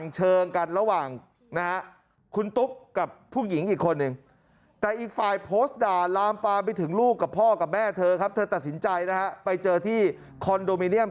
ใจนะฮะไปเจอที่คอนโดมิเนียม